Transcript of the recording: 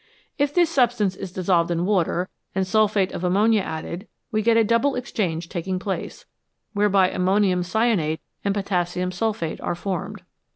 If this substance is dissolved in water and sulphate of ammonia added, we get a double exchange taking place, whereby ammonium cyanate and potassium sulphate are formed.